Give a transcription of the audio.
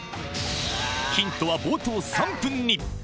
ヒントは冒頭３分に。